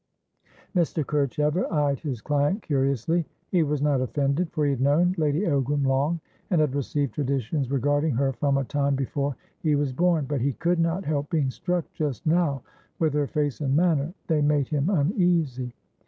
Mr. Kerchever eyed his client curiously. He was not offended, for he had known Lady Ogram long, and had received traditions regarding her from a time before he was born; but he could not help being struck just now with her face and manner; they made him uneasy.